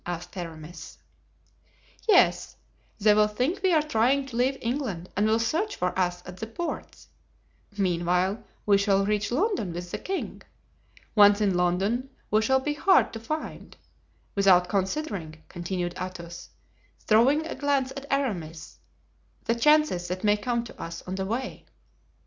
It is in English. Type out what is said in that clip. asked Aramis. "Yes. They will think we are trying to leave England and will search for us at the ports; meanwhile we shall reach London with the king. Once in London we shall be hard to find—without considering," continued Athos, throwing a glance at Aramis, "the chances that may come to us on the way."